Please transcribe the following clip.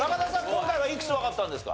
今回はいくつわかったんですか？